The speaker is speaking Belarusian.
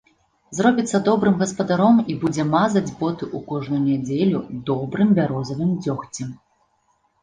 Зробіцца добрым гаспадаром і будзе мазаць боты ў кожную нядзелю добрым бярозавым дзёгцем.